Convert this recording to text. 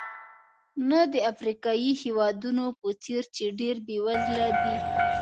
نه د افریقایي هېوادونو په څېر چې ډېر بېوزله دي.